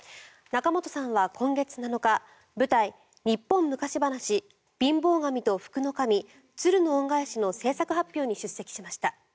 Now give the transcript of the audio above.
仲本さんは今月７日舞台「日本昔ばなし貧乏神と福の神つるの恩返し」の製作発表に出席しました。